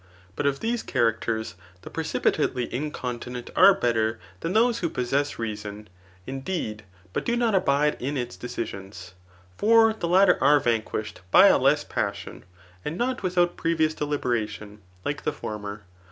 But of these characters, the precipitately incontinent are better than those who possess reason, in deed, but do not abide in its decisions ; for the latter are vanquished by a less passion, and not without previous deliberation, like the former.